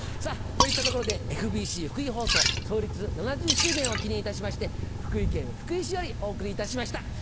といったところでＦＢＣ福井放送創立７０周年を記念いたしまして福井県福井市よりお送りいたしました。